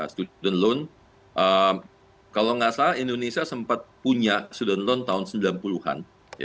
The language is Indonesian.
student loan kalau nggak salah indonesia sempat punya sudah nonton tahun sembilan puluh an